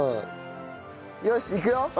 よしいくよ。